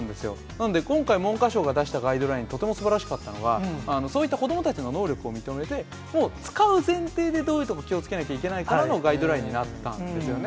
なので今回、文科省が出したガイドライン、とてもすばらしかったのは、そういった子どもたちの能力を認めて、もう使う前提でどういうところに気をつけなきゃいけないかというガイドラインだったんですよね。